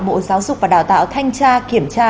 bộ giáo dục và đào tạo thanh tra kiểm tra